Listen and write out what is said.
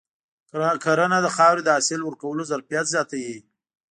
کرنه د خاورې د حاصل ورکولو ظرفیت زیاتوي.